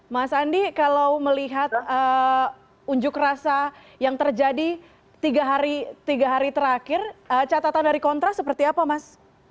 mas andi kalau melihat unjuk rasa yang terjadi tiga hari terakhir catatan dari kontra seperti apa mas